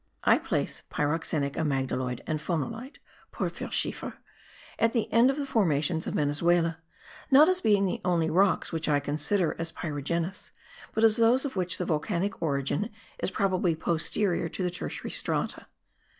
I place pyroxenic amygdaloid and phonolite (porphyrschiefer) at the end of the formations of Venezuela, not as being the only rocks which I consider as pyrogenous, but as those of which the volcanic origin is probably posterior to the tertiary strata.